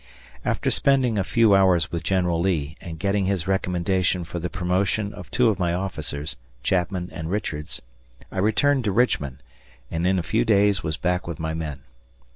After spending a few hours with General Lee and getting his recommendation for the promotion of two of my officers, Chapman and Richards, I returned to Richmond, and in a few days was back with my men.